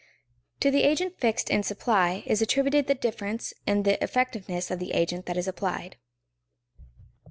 To the agent fixed in supply is attributed the difference in the effectiveness of the agent that is applied.